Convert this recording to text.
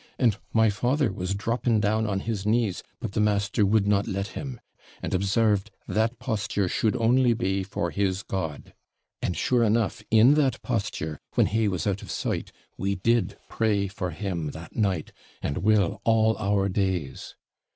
And my father was dropping down on his knees, but the master would not let him; and OBSARVED, that posture should only be for his God. And, sure enough, in that posture, when he was out of sight, we did pray for him that night, and will all our days.